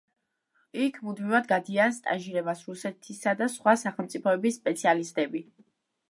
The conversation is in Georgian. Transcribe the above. იქ მუდმივად გადიან სტაჟირებას რუსეთისა და სხვა სახელმწიფოების სპეციალისტები.